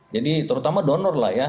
jadi terutama donor lah ya